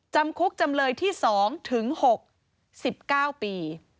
จำคุกจำเลยที่๒ถึง๖๙ปี